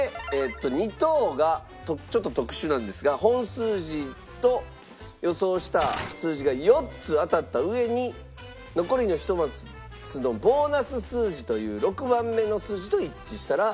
２等がちょっと特殊なんですが本数字と予想した数字が４つ当たった上に残りの１マスのボーナス数字という６番目の数字と一致したら２等になります。